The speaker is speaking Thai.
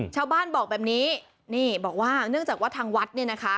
ชาวบ้านบอกแบบนี้นี่บอกว่าเนื่องจากว่าทางวัดเนี่ยนะคะ